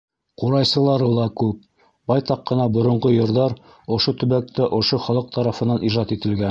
Ҡурайсылары ла күп, байтаҡ ҡына боронғо йырҙар ошо төбәктә, ошо халыҡ тарафынан ижад ителгән.